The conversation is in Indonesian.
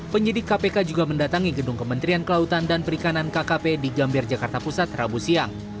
penyidik kpk juga mendatangi gedung kementerian kelautan dan perikanan kkp di gambir jakarta pusat rabu siang